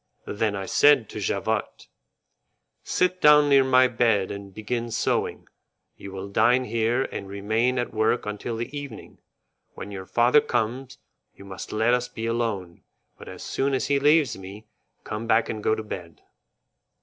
Then I said to Javotte: "Sit down near my bed and begin sewing. You will dine here and remain at work until the evening. When your father comes, you must let us be alone, but as soon as he leaves me, come back and go to bed."